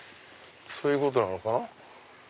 そういうことなのかな。